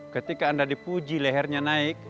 ketika anda dipuji lehernya naik